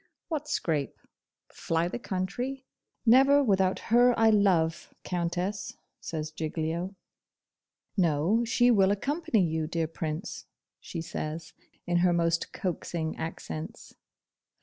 'What scrape? fly the country? Never without her I love, Countess,' says Giglio. 'No, she will accompany you, dear Prince,' she says, in her most coaxing accents.